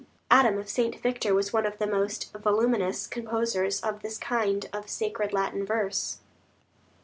Adam of St. Victor was one of the most voluminous composers of this kind of sacred Latin verse.